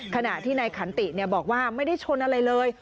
ขณะที่นายขันติบอกว่าไม่ได้ชนอะไรเลย